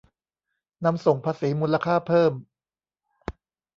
นำส่งภาษีมูลค่าเพิ่ม